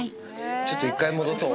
ちょっと１回戻そう。